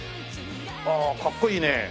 ああかっこいいね。